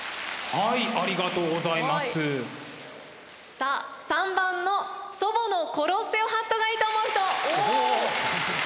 さあ３番の「祖母のコロッセオハット」がいいと思う人！おっ！